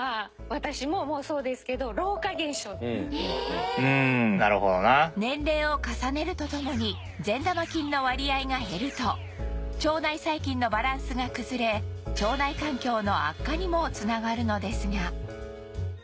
私ももうそうですけど年齢を重ねるとともに善玉菌の割合が減ると腸内細菌のバランスが崩れ腸内環境の悪化にも繋がるのですが